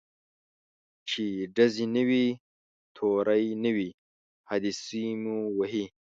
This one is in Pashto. چي ډزي نه وي توری نه وي حادثې مو وهي